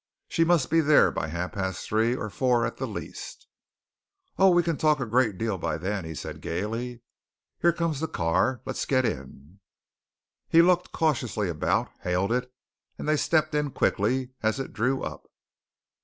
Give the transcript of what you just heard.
She must be there by half past three or four at the least. "Oh, we can talk a great deal by then," he said gaily. "Here comes the car. Let's get in." He looked cautiously about, hailed it, and they stepped in quickly as it drew up.